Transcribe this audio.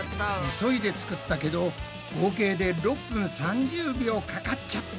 急いで作ったけど合計で６分３０秒かかっちゃった。